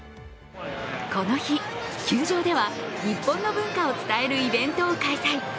この日球場では、日本の文化を伝えるイベントを開催。